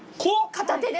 片手で。